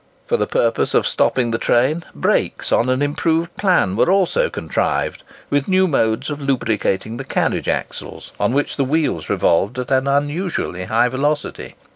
For the purpose of stopping the train, brakes on an improved plan were also contrived, with new modes of lubricating the carriage axles, on which the wheels revolved at an unusually high velocity.